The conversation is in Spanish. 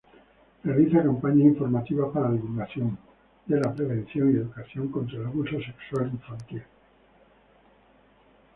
Realiza campañas informativas para divulgación la Prevención y Educación contra el Abuso Sexual Infantil.